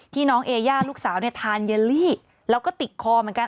น้องเอย่าลูกสาวเนี่ยทานเยลลี่แล้วก็ติดคอเหมือนกัน